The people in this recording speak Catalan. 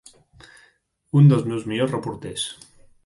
Un dels meus millors reporters.